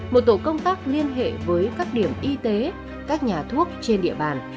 một tổ công tác liên hệ với các điểm y tế các nhà thuốc trên địa bàn